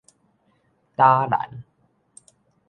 打瀾